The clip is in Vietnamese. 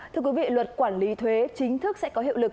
thưa quý vị luật quản lý thuế chính thức sẽ có hiệu lực